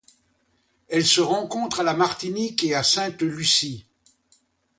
Elle se rencontre à la Martinique et à Sainte-Lucie.